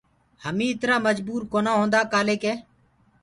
همينٚ اِترآ مجبور ڪونآ هوندآ ڪآلي ڪي